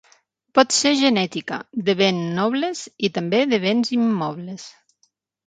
Pot ser genètica, de ben nobles, i també de béns immobles.